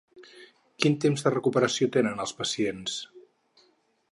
Quin temps de recuperació tenen els pacients?